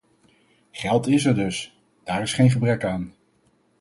Geld is er dus; daar is geen gebrek aan.